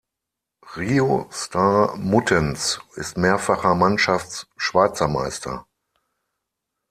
Rio-Star Muttenz ist mehrfacher Mannschafts Schweizermeister.